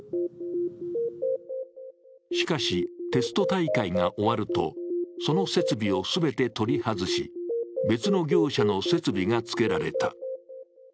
しかし、テスト大会が終わると、その設備を全て取り外し、別の業者の設備がつけられた。